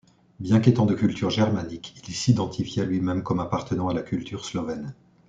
Bien qu'étant de culture germanique, il s’identifiait lui-même comme appartenant à la culture slovène.